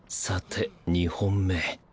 さて２本目。